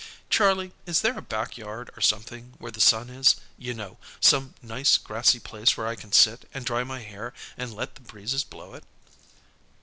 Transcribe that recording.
"Charlie, is there a back yard, or something, where the sun is, you know some nice, grassy place where I can sit, and dry my hair, and let the breezes blow it?"